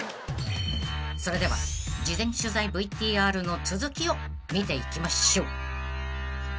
［それでは事前取材ＶＴＲの続きを見ていきましょう］